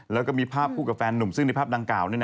แล้วก็มีภาพคู่กับแฟนหนุ่มซึ่งในภาพดังกล่าว